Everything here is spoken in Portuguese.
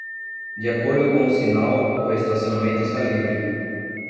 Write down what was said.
De acordo com o sinal, o estacionamento está livre.